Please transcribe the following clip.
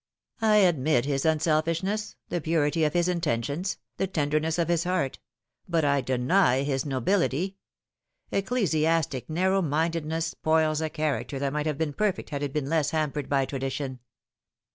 M I admit his unselfishness the purity of his intentions* 122 The Fatal Three. the tenderness of his heart ; but I deny his nobility. Ecclesi astic narrow mindedness spoils a character that might have been perfect had it been less hampered by tradition.